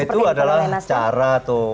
itu adalah cara